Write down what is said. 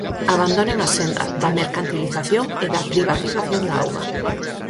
Abandonen a senda da mercantilización e da privatización da auga.